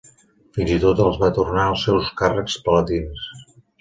Fins i tot els va tornar els seus càrrecs palatins.